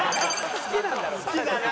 好きなんだろうね。